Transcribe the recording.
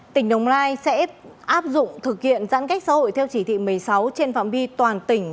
tỉnh đồng nai sẽ áp dụng thực hiện giãn cách xã hội theo chỉ thị một mươi sáu trên phạm vi toàn tỉnh